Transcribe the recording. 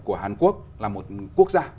của hàn quốc là một quốc gia